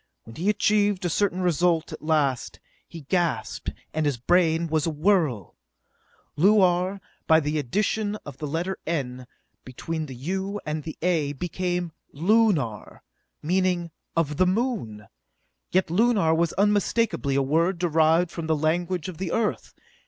When he achieved a certain result at last, he gasped, and his brain was a whirl. Luar, by the addition of the letter n, between the u and the a, became Lunar, meaning "of the Moon!" Yet Lunar was unmistakably a word derived from the language of the Earth!